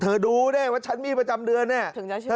เธอดูได้ว่าฉันมีประจำเดือนถึงจะเชื่อ